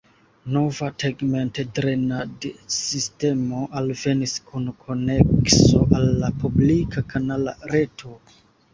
Nova tegmentdrenadsistemo alvenis kun konekso al la publika kanala reto.